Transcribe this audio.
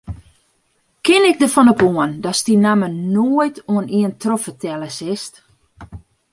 Kin ik derfan op oan datst dy namme noait oan ien trochfertelle silst?